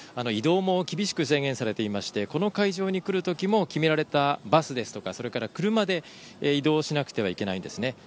移動も厳しく制限されていましてこの会場に来るときも決められたバスや車で移動しなくてはいけないんですね。